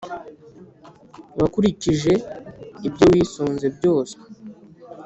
wakurikije ibyo wisunze byose